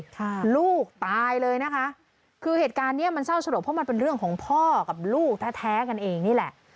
ค่ะลูกตายเลยนะคะคือเหตุการณ์เนี้ยมันเศร้าสลดเพราะมันเป็นเรื่องของพ่อกับลูกแท้แท้กันเองนี่แหละ